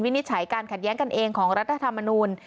นิจฉัยการขัดแย้งกันเองของรัฐธรรมนูล